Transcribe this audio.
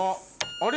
あれ？